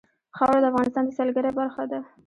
خاوره د افغانستان د سیلګرۍ برخه ده.